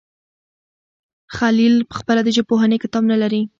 خلیل پخپله د ژبپوهنې کتاب نه لري.